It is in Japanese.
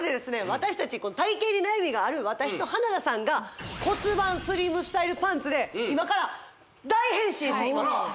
私達体形に悩みがある私と花田さんが骨盤スリムスタイルパンツで今から大変身してきます